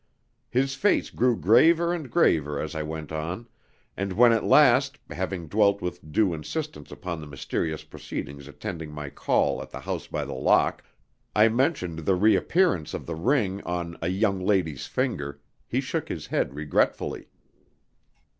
His face grew graver and graver as I went on, and when at last (having dwelt with due insistence upon the mysterious proceedings attending my call at the House by the Lock) I mentioned the reappearance of the ring on "a young lady's finger," he shook his head regretfully.